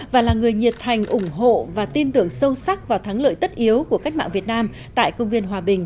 và là người nhiệt thành ủng hộ và tin tưởng sâu sắc vào thắng lợi tất yếu của cách mạng việt nam tại công viên hòa bình